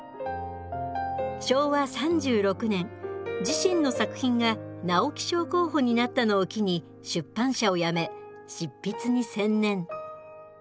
昭和３６年自身の作品が直木賞候補になったのを機に出版社を辞め執筆に専念。